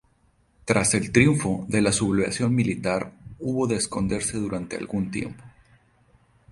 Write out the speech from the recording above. Tras el triunfo de la sublevación militar hubo de esconderse durante algún tiempo.